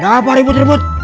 ada apa ribut ribut